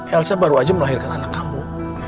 elsa baru aja melahirkan anak kamu